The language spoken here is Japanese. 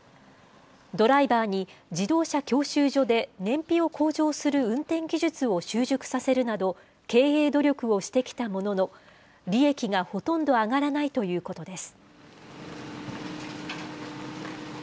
ドライバーに自動車教習所で燃費を向上する運転技術を習熟させるなど、経営努力をしてきたものの、利益がほとんど上がらないということです。